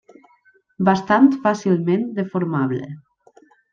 Bastant fàcilment deformable.